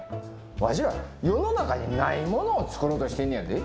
わしら世の中にないものを作ろうとしてんねやで。